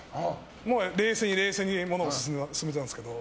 もう冷静に冷静に物事を進めていたんですけど。